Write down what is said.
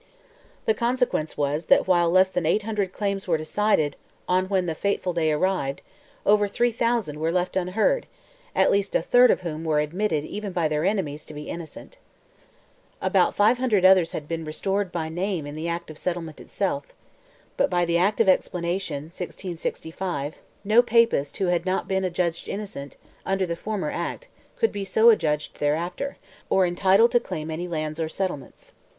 The consequence was, that while less than 800 claims were decided on when the fatal day arrived, over 3,000 were left unheard, at least a third of whom were admitted even by their enemies to be innocent. About 500 others had been restored by name in the Act of Settlement itself; but, by the Act of Explanation (1665), "no Papist who had not been adjudged innocent" under the former act could be so adjudged thereafter, "or entitled to claim any lands or settlements."